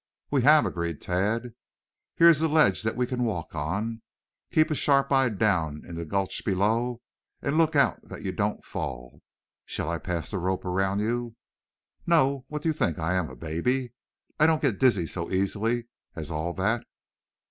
"We have," agreed Tad. "Here is a ledge that we can walk on. Keep a sharp eye down in the gulch below and look out that you don't fall. Shall I pass the rope around you?" "No. What do you think I am, a baby? I don't get dizzy so easily as all that."